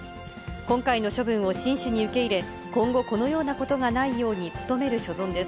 今回の処分を真摯に受け入れ、今後、このようなことがないように、努める所存です。